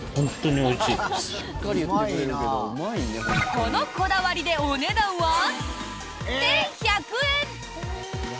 このこだわりでお値段は１１００円。